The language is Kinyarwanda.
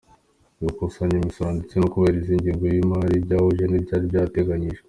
Gukusanya imisoro ndetse no kubahiriza ingengo y’imari byahuje n’ibyari byateganyijwe.